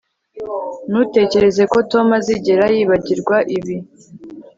ntutekereze ko Tom azigera yibagirwa ibi